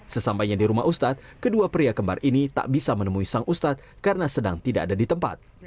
sesampainya di rumah ustadz kedua pria kembar ini tak bisa menemui sang ustadz karena sedang tidak ada di tempat